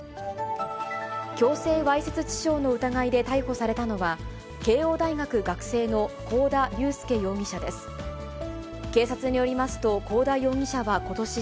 強制わいせつ致傷の疑いで逮捕されたのは、慶応大学学生の幸田龍祐容疑者です。